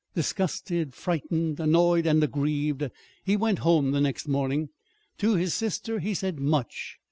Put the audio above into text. Disgusted, frightened, annoyed, and aggrieved, he went home the next morning. To his sister he said much.